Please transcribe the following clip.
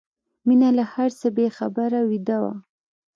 مينه له هر څه بې خبره ویده وه